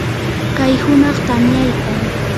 kay hunaq tamyaykan.